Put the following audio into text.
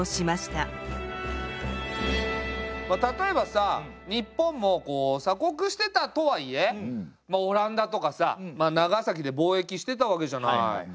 まあ例えばさ日本もこう鎖国してたとはいえオランダとかさ長崎で貿易してたわけじゃない。